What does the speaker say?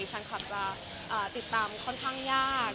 แฟนคลับจะติดตามค่อนข้างยาก